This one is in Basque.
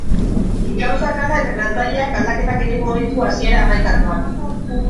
Gauzak hala, entrenatzaileak aldaketak egingo ditu hasiera hamaikakoan.